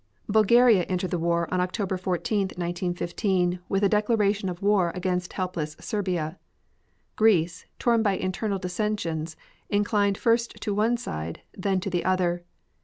Bulgaria entered the war on October 14, 1915, with a declaration of war against helpless Serbia. Greece, torn by internal dissensions, inclined first to one side, then to the other.